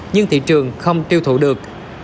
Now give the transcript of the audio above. nhưng thị trường không tiêu thụ được